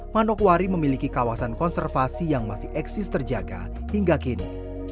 manokwari memiliki kawasan konservasi yang masih eksis terjaga hingga kini